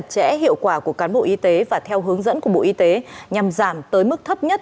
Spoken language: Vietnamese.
chặt chẽ hiệu quả của cán bộ y tế và theo hướng dẫn của bộ y tế nhằm giảm tới mức thấp nhất